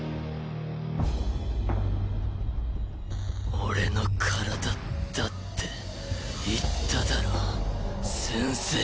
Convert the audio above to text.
俺の体だって言っただろ先生。